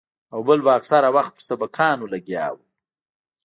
او بل به اکثره وخت پر سبقانو لګيا وو.